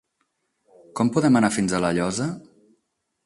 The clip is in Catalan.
Com podem anar fins a La Llosa?